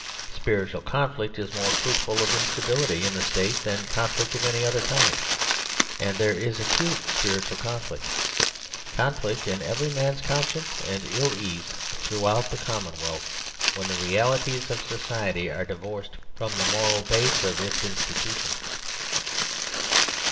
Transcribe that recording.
Spiritual conflict is more fruitful of instability in the State than conflict of any other kind, and there is acute spiritual conflict, conflict in every man's conscience and ill ease throughout the commonwealth when the realities of society are di vorced from the moral base of its institution.